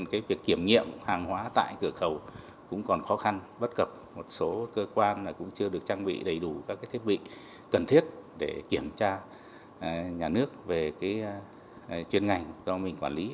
cái việc kiểm nghiệm hàng hóa tại cửa khẩu cũng còn khó khăn bất cập một số cơ quan cũng chưa được trang bị đầy đủ các thiết bị cần thiết để kiểm tra nhà nước về chuyên ngành do mình quản lý